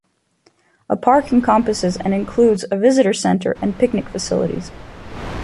The park encompasses and includes a visitor center and picnic facilities.